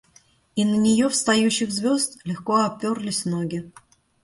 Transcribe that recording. И на нее встающих звезд легко оперлись ноги.